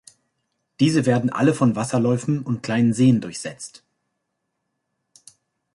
Diese werden alle von Wasserläufen und kleinen Seen durchsetzt.